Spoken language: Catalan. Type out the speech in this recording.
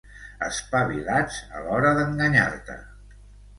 Espavilats a l'hora d'enganyar-te.